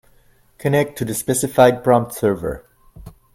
Connect to the specified prompt server.